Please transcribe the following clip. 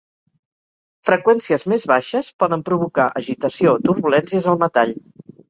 Freqüències més baixes poden provocar agitació o turbulències al metall.